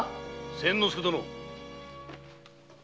・千之助殿。